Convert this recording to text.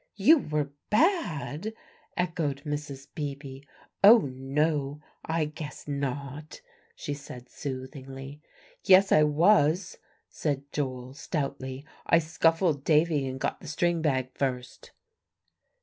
"You were bad?" echoed Mrs. Beebe. "Oh, no! I guess not," she said soothingly. "Yes, I was," said Joel stoutly. "I scuffled Davie, and got the string bag first."